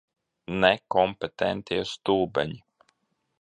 Nekompetentie stulbeņi.